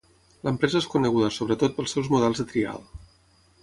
L'empresa és coneguda sobretot pels seus models de trial.